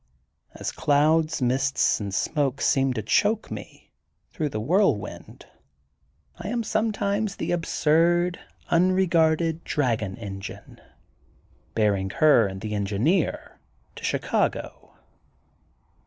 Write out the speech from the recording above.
As clouds, mists and smoke seems to choke me, through the whirlwind, I am sometimes the absurd unregarded dragon engine bear ing her and the engineer to Chicago.